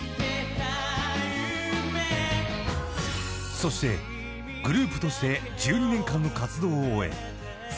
［そしてグループとして１２年間の活動を終え］